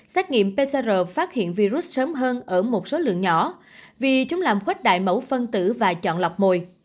xét nghiệm pcr phát hiện virus sớm hơn ở một số lượng nhỏ vì chúng làm khuếch đại mẫu phân tử và chọn lọc mồi